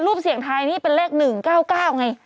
เสี่ยงทายนี่เป็นเลข๑๙๙ไง